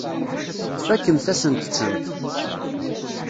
Tfakemt-asent-tent.